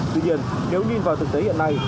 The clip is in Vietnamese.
tuy nhiên nếu nhìn vào thực tế hiện nay